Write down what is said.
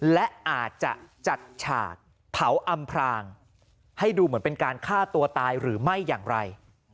และอาจจะจัดฉากเผาอำพรางให้ดูเหมือนเป็นการฆ่าตัวตายหรือไม่อย่างไร